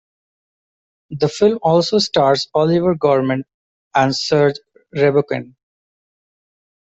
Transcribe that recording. The film also stars Olivier Gourmet and Serge Riaboukine.